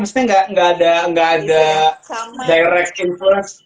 makanya gak ada direct influence